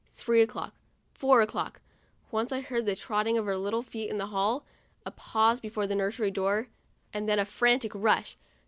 Three o'clock, four o'clock — once I heard the trotting of her little feet in the hall, a pause before the nursery door, and then a frantic rush.